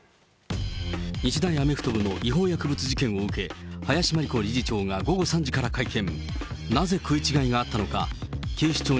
日大アメフト部の違法薬物事件を受け、林真理子理事長が午後３時から会見。